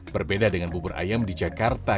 berbeda dengan bubur ayam di jakarta